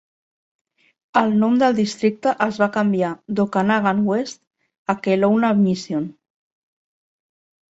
El nom del districte es va canviar d'Okanagan West a Kelowna-Mission.